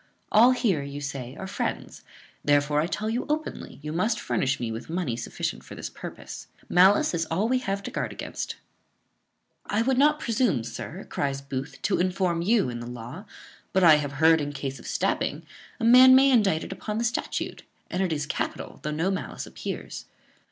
All here you say are friends; therefore I tell you openly, you must furnish me with money sufficient for this purpose. Malice is all we have to guard against." "I would not presume, sir," cries Booth, "to inform you in the law; but I have heard, in case of stabbing, a man may be indicted upon the statute; and it is capital, though no malice appears."